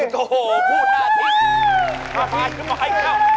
ภายให้ขึ้นบ่อยไข้อื่นข้ากำลังไป